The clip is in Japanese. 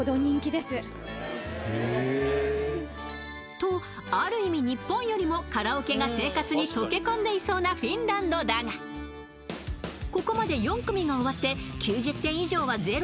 と、ある意味日本よりもカラオケが生活に溶け込んでいそうなフィンランドだがここまで４組が終わって９０点以上はゼロ。